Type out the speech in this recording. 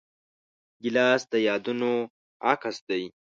ګیلاس د یادونو عکس دی.